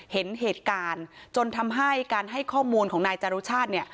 เห็นเหตุการณ์จนทำให้การให้ข้อมูลของนายจารุชาติเนี่ย